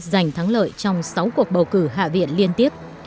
giành thắng lợi trong sáu cuộc bầu cử hạ viện liên tiếp